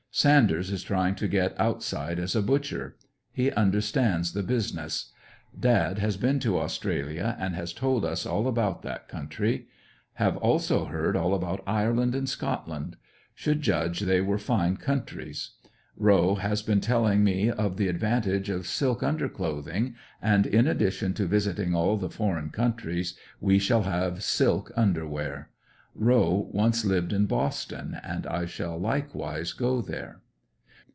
Sanders is trying to get outside as a butcher. He understands the business. "Dad" has been to Australia, and has told us all about that country. Have also heard all about Ireland and Scotland. Should judge they were fine countries. Rowe has been telling me of the advantage of silk under clothing, and in addition to visiting all the foreign countries, we shall have silk under wear. Rowe once lived in Boston, and 1 shall likewise go there.